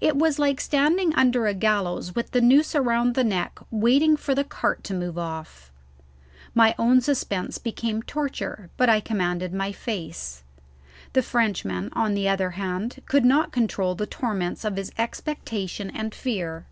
It was like standing under a gallows with the noose around the neck waiting for the cart to move off. My own suspense became torture; but I commanded my face. The Frenchman, on the other hand, could not control the torments of his expectation and fear.